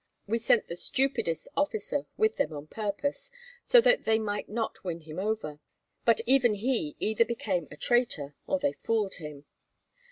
We sent the stupidest officer with them on purpose, so that they might not win him over; but even he either became a traitor, or they fooled him.